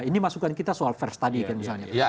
ini masukan kita soal first study kan misalnya